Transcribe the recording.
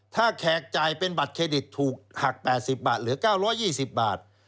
ถ้าแขกจ่ายเป็นบัตรเครดิตถูกหัก๘๐บาทเหลือ๙๒๐บาท